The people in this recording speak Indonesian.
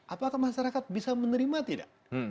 apakah masyarakat bisa menerima tidak